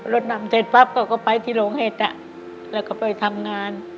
รถนำเสร็จปั๊บเขาก็ไปที่โรงเห็ดแล้วก็ไปทำงาน